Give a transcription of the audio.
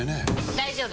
大丈夫！